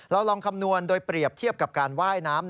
ลองคำนวณโดยเปรียบเทียบกับการว่ายน้ำ